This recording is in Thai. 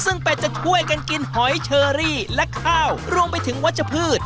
ซึ่งเป็ดจะช่วยกันกินหอยเชอรี่และข้าวรวมไปถึงวัชพืช